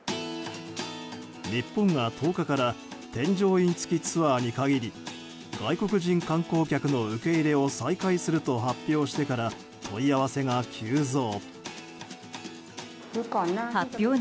日本が１０日から添乗員付きツアーに限り外国人観光客の受け入れを再開すると発表してから問い合わせが急増。